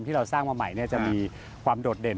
ที่เราสร้างมาใหม่จะมีความโดดเด่น